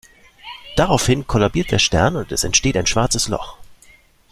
Daraufhin kollabiert der Stern und es entsteht ein schwarzes Loch.